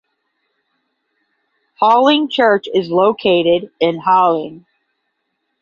Halling Church is located in Halling.